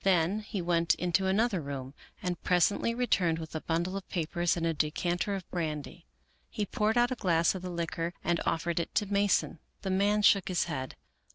Then he went into another room and presently returned with a bundle of papers and a de canter of brandy. He poured out a glass of the liquor and offered it to Mason, The man shook his head.